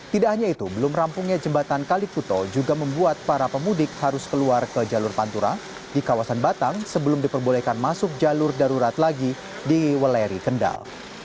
tidak hanya itu belum rampungnya jembatan kalikuto juga membuat para pemudik harus keluar ke jalur pantura di kawasan batang sebelum diperbolehkan masuk jalur darurat lagi di weleri kendal